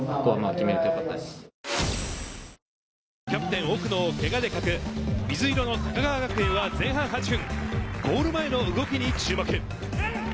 キャプテン・奥野をけがで欠く水色の高川学園は前半８分、ゴール前の動きに注目。